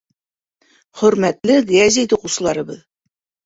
Хөрмәтле гәзит уҡыусыларыбыҙ!